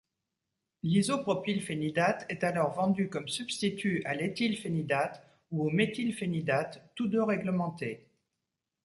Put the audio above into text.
L'isopropylphénidate est alors vendu comme substitut à l'éthylphénidate ou au méthylphénidate, tous deux réglementés.